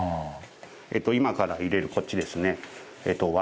今から入れるこっちですね割